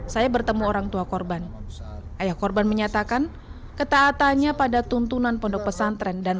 saya bertemu orang tua korban ayah korban menyatakan ketaatannya pada tuntunan pondok pesantren dan